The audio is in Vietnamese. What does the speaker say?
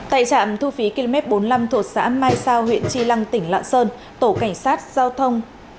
tại trạm thu phí km bốn mươi năm thuộc xã mai sao huyện tri lăng tỉnh lạng sơn tổ cảnh sát giao thông